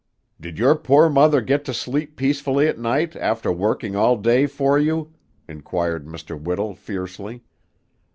"Did your poor mother get to sleep peacefully at night, after working all day for you?" inquired Mr. Whittle fiercely.